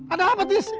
ada apa tis